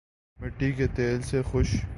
مٹی کے تیل سے خش